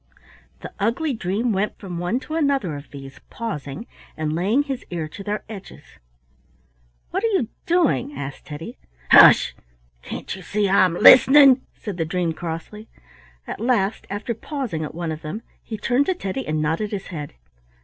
The ugly dream went from one to another of these, pausing, and laying his ear to their edges. "What are you doing?" asked Teddy. "Hush! can't you see I'm listening?" said the dream crossly. At last, after pausing at one of them, he turned to Teddy and nodded his head.